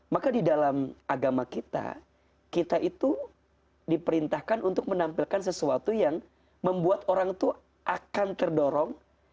maka di dalam agama kita kita itu diperintahkan untuk menampilkan sesuatu yang membuat orang itu akan terdorong